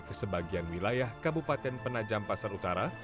ke sebagian wilayah kabupaten penajam pasar utara